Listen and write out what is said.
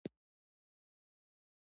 منډه د وجدان غږ ته غبرګون دی